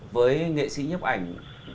với nghệ sĩ nhấp ảnh